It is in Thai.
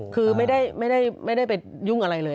คือไม่ได้ไม่ได้ไม่ได้ไปยุ่งอะไรเลย